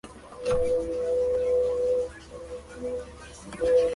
La Revolución Gloriosa finalizó con el reinado de periodo isabelino.